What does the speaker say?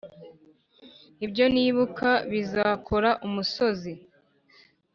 ibyo nibuka bizakora umusozi